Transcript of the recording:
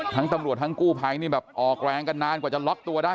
ทั้งตำรวจทั้งกู้ภัยนี่แบบออกแรงกันนานกว่าจะล็อกตัวได้